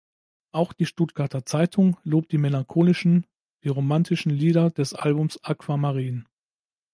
Auch die Stuttgarter Zeitung lobt die melancholischen wie romantischen Lieder des Albums "Aquamarin".